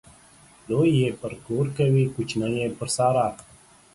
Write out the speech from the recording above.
لوى يې پر کور کوي ، کوچنى يې پر سارا.